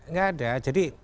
gak ada jadi